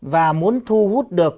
và muốn thu hút được